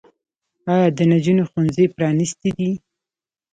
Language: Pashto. آیا د نجونو ښوونځي پرانیستي دي؟